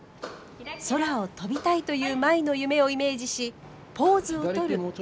空を飛びたいという舞の夢をイメージしポーズを取る福原さん。